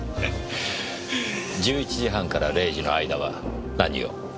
１１時半から０時の間は何を？